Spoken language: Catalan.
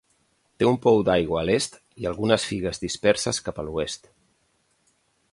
Té un pou d'aigua a l'est i algunes figues disperses cap a l'oest.